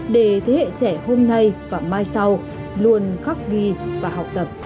để thế hệ trẻ hôm nay và mai sau luôn khắc ghi và học tập